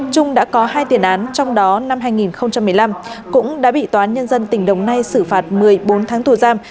trung đã có hai tiền án trong đó năm hai nghìn một mươi năm cũng đã bị tòa án nhân dân tỉnh đồng nai xử phạt một mươi bốn tháng tù giam